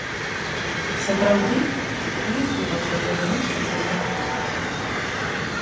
Сапраўды, ёсць у вашай галіны сур'ёзныя поспехі.